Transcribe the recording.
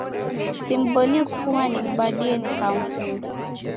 Simbonie kufuma nidambie nikaw'uya.